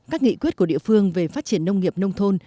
các nghị quyết của địa phương về phát triển nông nghiệp nông thôn